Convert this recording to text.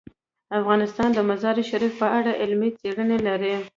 افغانستان د مزارشریف په اړه علمي څېړنې لري.